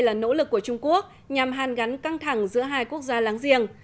là nỗ lực của trung quốc nhằm hàn gắn căng thẳng giữa hai quốc gia láng giềng